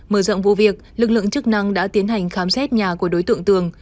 mở rộng vụ việc lực lượng chức năng đã tiến hành khám xét nhà của đối tượng tường